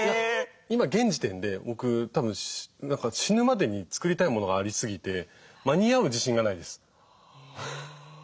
今現時点で僕たぶん死ぬまでに作りたいものがありすぎて間に合う自信がないです。